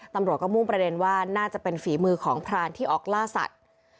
ตำรวจก็มุ่งประเด็นว่าน่าจะเป็นฝีมือของพรานที่ออกล่าสัตว์